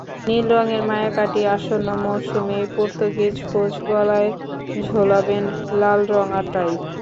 নীল রঙের মায়া কাটিয়ে আসন্ন মৌসুমেই পর্তুগিজ কোচ গলায় ঝোলাবেন লালরঙা টাই।